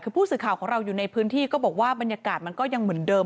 คือผู้สื่อข่าวของเราอยู่ในพื้นที่ก็บอกว่าบรรยากาศมันก็ยังเหมือนเดิม